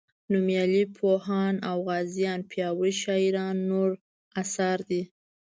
نومیالي پوهان او غازیان پیاوړي شاعران نور اثار دي.